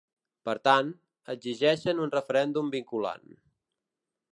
Per tant, exigeixen un referèndum vinculant.